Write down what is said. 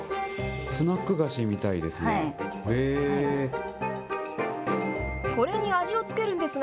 スナック菓子みたいですね。